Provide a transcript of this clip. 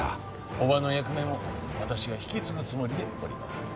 伯母の役目も私が引き継ぐつもりでおります。